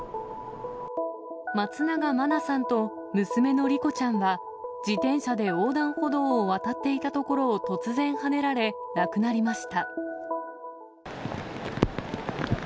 松永真菜さんと娘の莉子ちゃんは、自転車で横断歩道を渡っていたところを突然はねられ、亡くなりました。